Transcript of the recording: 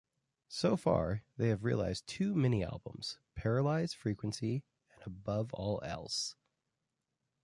So far, they have released two mini-albums, "Paralyzed Frequency" and "above all else!!